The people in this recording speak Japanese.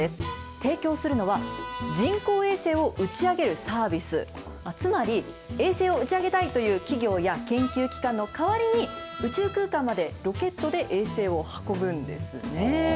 提供するのは、人工衛星を打ち上げるサービス、つまり、衛星を打ち上げたいという企業や研究機関の代わりに、宇宙空間までロケットで衛星を運ぶんですね。